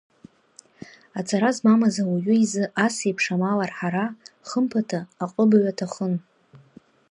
Аҵара змамыз ауаҩы изы ас еиԥш амал арҳара, хымԥада, аҟыбаҩ аҭахын.